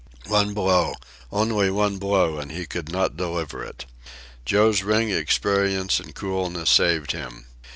One blow, only one blow, and he could not deliver it! Joe's ring experience and coolness saved him.